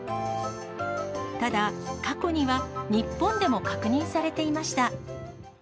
ただ、過去には日本でも確認されていました。